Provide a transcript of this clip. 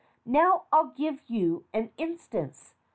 Now, I'll give you an instance.